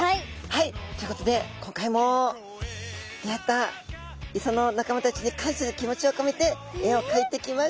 はいということで今回も出会った磯の仲間たちに感謝の気持ちをこめて絵をかいてきました。